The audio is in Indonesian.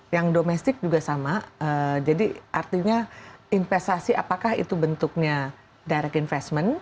yang domestik juga sama jadi artinya investasi apakah itu bentuknya direct investment